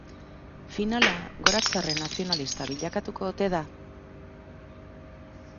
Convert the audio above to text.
Finala gorazarre nazionalista bilakatuko ote da?